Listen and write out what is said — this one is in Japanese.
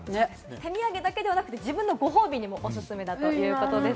手土産だけではなく自分のご褒美にもおすすめだということです。